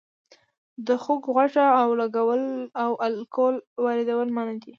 د خوګ غوښه او الکول واردول منع دي؟